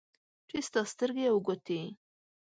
چې ستا سترګې او ګوټې